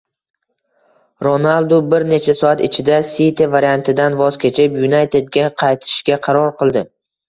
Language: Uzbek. Ronaldu bir necha soat ichida “Siti” variantidan voz kechib, “Yunayted”ga qaytishga qaror qildi